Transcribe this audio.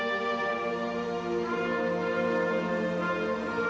โรงพยาบาลวิทยาศาสตรี